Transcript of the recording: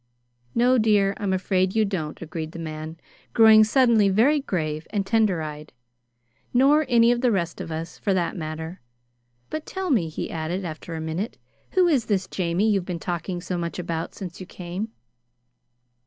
"No, dear, I'm afraid you don't," agreed the man, growing suddenly very grave and tender eyed; "nor any of the rest of us, for that matter. But, tell me," he added, after a minute, "who is this Jamie you've been talking so much about since you came?"